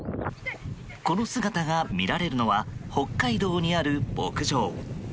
この姿が見られるのは北海道にある牧場。